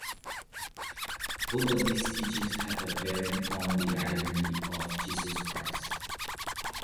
Both of these teachings have a bearing on the identity of Jesus Christ.